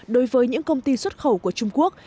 đối với những công ty xuất khẩu của trung quốc